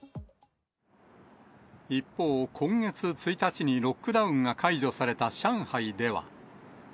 一方、今月１日にロックダウンが解除された上海では。